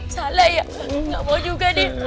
salah ya nggak mau juga deh